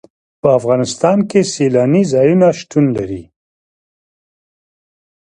په افغانستان کې سیلانی ځایونه شتون لري.